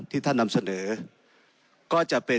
ในฐานะรัฐสภาวนี้ตั้งแต่ปี๒๖๒